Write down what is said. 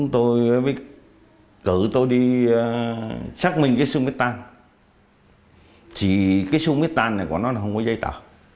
thì cái xung viết tan này của nó là không có giấy tờ